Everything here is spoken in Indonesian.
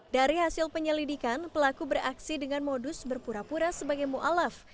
dari hasil penyelidikan pelaku beraksi dengan modus berpura pura sebagai mu'alaf